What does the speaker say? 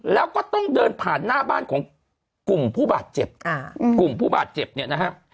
แล้วก็ต้องเดินผ่านหน้าบ้านของกลุ่มผู้บาดเจ็บกลุ่มผู้บาดเจ็บเนี่ยนะฮะ